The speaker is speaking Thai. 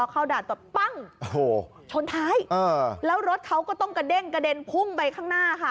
เข้าด่านตรวจปั้งโอ้โหชนท้ายแล้วรถเขาก็ต้องกระเด้งกระเด็นพุ่งไปข้างหน้าค่ะ